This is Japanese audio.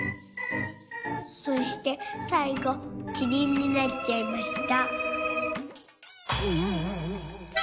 そしてさいごキリンになっちゃいました」。